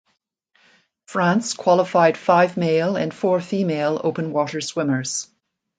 France qualified five male and four female open water swimmers.